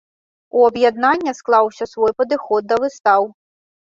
У аб'яднання склаўся свой падыход да выстаў.